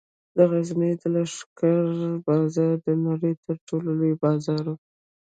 د غزني د لښکر بازار د نړۍ تر ټولو لوی بازار و